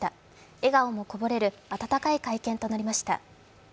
笑顔もこぼれる温かい会見となりました。